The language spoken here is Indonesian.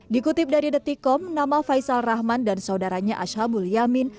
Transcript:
dikutip dari detikom nama faisal rahman dan saudaranya ashabul yamin